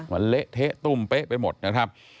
มันเละเทะตุ้มเป๊ะไปหมดนะครับ